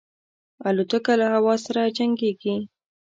الوتکه له هوا سره جنګيږي.